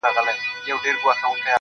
لـــكــه ښـــه اهـنـــگ.